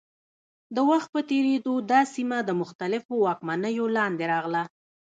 د وخت په تېرېدو دا سیمه د مختلفو واکمنیو لاندې راغله.